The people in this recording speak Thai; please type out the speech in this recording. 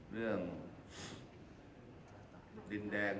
เรื่องขันน้ำสีแดง